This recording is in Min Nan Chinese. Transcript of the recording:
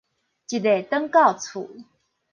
一下轉到厝